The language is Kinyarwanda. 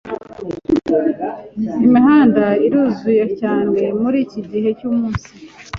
Imihanda iruzuye cyane muriki gihe cyumunsi.